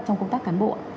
trong công tác cán bộ